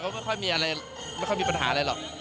ก็ไม่ค่อยมีปัญหาอะไรหรอก